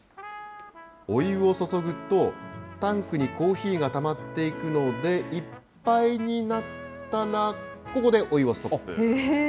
お湯を注ぐと、タンクにコーヒーがたまっていくので、いっぱいになったら、ここでお湯をストップ。